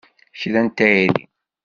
Kra n tayri!